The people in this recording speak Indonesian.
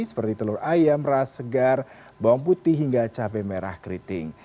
seperti telur ayam ras segar bawang putih hingga cabai merah keriting